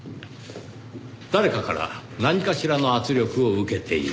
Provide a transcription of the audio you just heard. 誰かから何かしらの圧力を受けている。